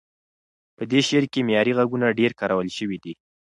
په دې شعر کې معیاري غږونه ډېر کارول شوي دي.